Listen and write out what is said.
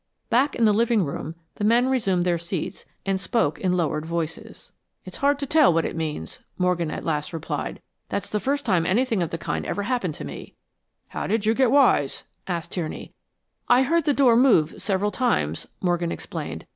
Back in the living room, the men resumed their seats, and spoke in lowered voices. "It's hard to tell what it means," Morgan at last replied. "That's the first time anything of the kind ever happened to me." "How did you get wise?" asked Tierney. "I heard the door move several times," Morgan explained.